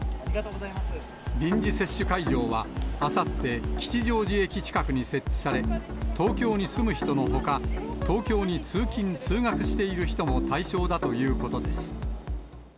臨時接種会場は、あさって、吉祥寺駅近くに設置され、東京に住む人のほか、東京に通勤・通学している人も対象だということです。